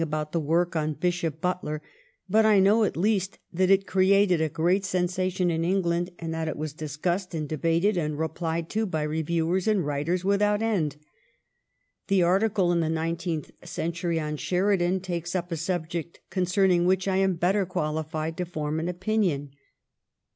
c^t^C^rZ^ ^^/^^^^^^^^— CATHEBINK GLADSTtU GLADSTONE'S BUSY LEISURE 401 the work on Bishop Butler, but I know at least that it created a great sensation in England and that it was discussed and debated and replied to by reviewers and writers without end. The arti cle in " The Nineteenth Century " on Sheridan takes up a subject concerning which I am better qualified to form an opinion.